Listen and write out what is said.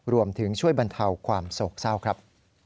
รวมถึงช่วยบรรเทาความโศกเศร้าครับ